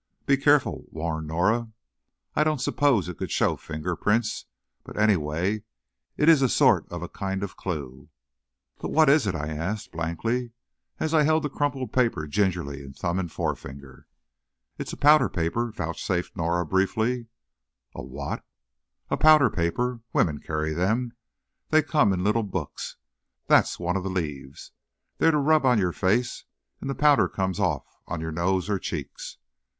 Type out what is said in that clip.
"Be careful," warned Norah; "I don't suppose it could show finger prints, but anyway, it's a sort of a kind of a clew." "But what is it?" I asked, blankly, as I held the crumpled paper gingerly in thumb and forefinger. "It's a powder paper," vouchsafed Norah, briefly. "A what?" "A powder paper. Women carry them, they come in little books. That's one of the leaves. They're to rub on your face, and the powder comes off on your nose or cheeks."